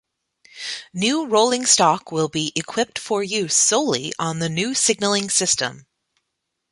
New rolling stock will be equipped for use solely on the new signalling system.